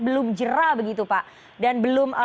belum jera begitu pak dan belum